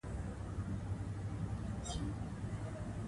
لفروی د جین د مینې لومړی کس و.